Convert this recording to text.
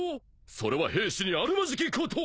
それは兵士にあるまじきこと！